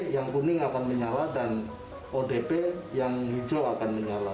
yang kuning akan menyala dan odp yang hijau akan menyala